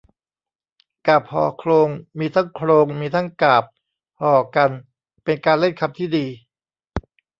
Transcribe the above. กาพย์ห่อโคลง มีทั้งโครง มีทั้งกาบ ห่อกัน เป็นการเล่นคำที่ดี